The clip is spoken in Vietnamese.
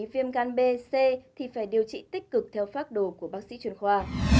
viêm gan b c thì phải điều trị tích cực theo phác đồ của bác sĩ chuyên khoa